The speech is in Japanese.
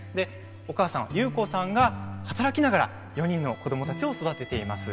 お母さん、優子さんが働きながら４人の子どもたちを育てています。